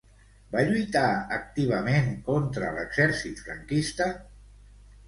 Va lluitar activament contra l'exèrcit franquista?